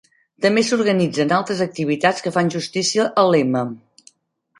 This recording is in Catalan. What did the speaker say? També s'organitzen altres activitats que fan justícia al lema.